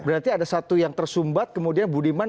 berarti ada satu yang tersumbat kemudian budaya itu berubah